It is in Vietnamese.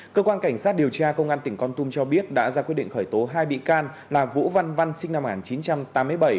cơ quan cảnh sát điều tra công an tỉnh con tum cho biết đã ra quyết định khởi tố hai bị can là vũ văn văn sinh năm một nghìn chín trăm tám mươi bảy